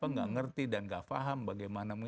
nggak ngerti dan gak paham bagaimana